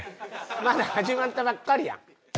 まだ始まったばっかりやん。